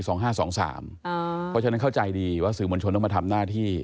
เพราะฉะนั้นเข้าใจดีว่าสื่อมวลชนต้องมาทำหน้าที่